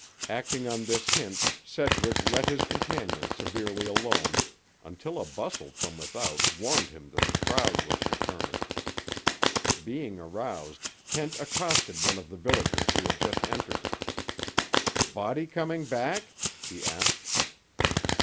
Acting on this hint, Sedgwick let his companion severely alone, until a bustle from without warned him that the crowd was returning. Being aroused, Kent accosted one of the villagers who had just entered. "Body coming back?" he asked.